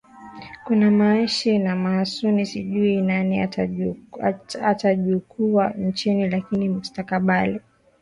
kuna maashia na maasuni sijui nani atajukuwa nchi lakini mstakabali